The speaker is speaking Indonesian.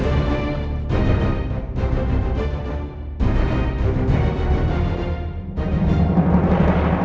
ini kesempatan aku untuk membuktikan